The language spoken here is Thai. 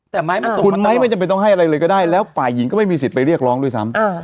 แต่ไม้มาส่งคุณไม้ไม่จำเป็นต้องให้อะไรเลยก็ได้แล้วฝ่ายหญิงก็ไม่มีสิทธิ์ไปเรียกร้องด้วยซ้ำ